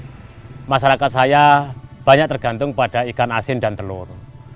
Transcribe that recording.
jadi masyarakat saya banyak tergantung pada ikan asin dan telur